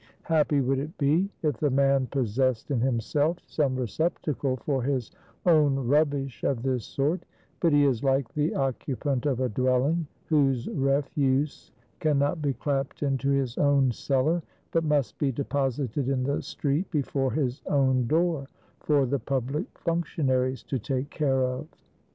Happy would it be, if the man possessed in himself some receptacle for his own rubbish of this sort: but he is like the occupant of a dwelling, whose refuse can not be clapped into his own cellar, but must be deposited in the street before his own door, for the public functionaries to take care of.